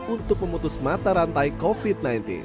untuk memutus mata rantai covid sembilan belas